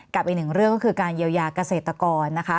กับอีกหนึ่งเรื่องก็คือการเยียวยาเกษตรกรนะคะ